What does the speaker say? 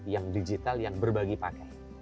yang digital yang berbagi pakai